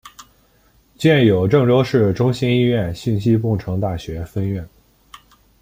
建有郑州市中心医院信息工程大学分院。